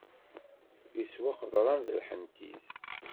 Iswa qeḍran d lḥentit.